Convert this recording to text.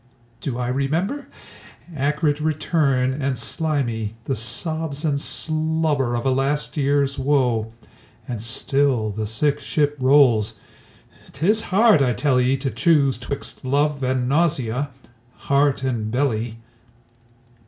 Do I remember? Acrid return and slimy, The sobs and slobber of a last years woe. And still the sick ship rolls. 'Tis hard, I tell ye, To choose 'twixt love and nausea, heart and belly.